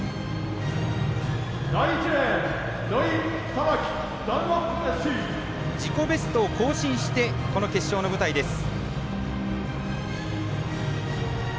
野井は、自己ベストを更新してこの決勝の舞台です。